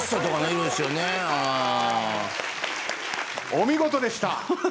お見事でした。